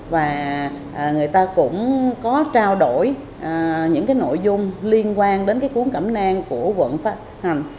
và người ta cũng có trao đổi những cái nội dung liên quan đến cái cuốn cẩm nang của quận phát hành